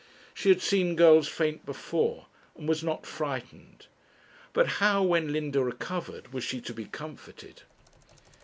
She had seen girls faint before, and was not frightened. But how, when Linda recovered, was she to be comforted?